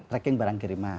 tracking barang kirimah